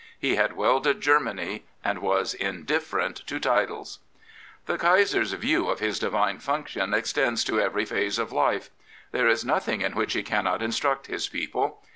He had welded Germany and was indifferent to titles. The Kaiser*s view of his divine function extends to every phase of life. There is nothing in which he cannot instruct his people.